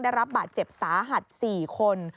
ได้รับบาดเจ็บสาหัส๔คน